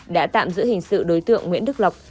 đã tạm giữ hình sự đối tượng nguyễn đức lộc